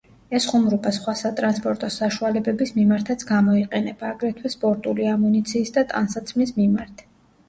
ეს ხუმრობა სხვა სატრანსპორტო საშუალებების მიმართაც გამოიყენება, აგრეთვე სპორტული ამუნიციის და ტანსაცმლის მიმართ.